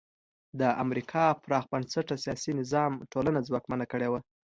د امریکا پراخ بنسټه سیاسي نظام ټولنه ځواکمنه کړې وه.